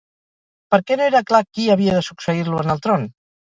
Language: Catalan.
Per què no era clar qui havia de succeir-lo en el tron?